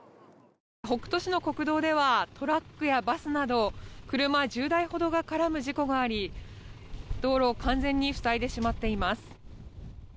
北斗市の国道では、トラックやバスなど車１０台ほどが絡む事故があり道路を完全に塞いでしまっています。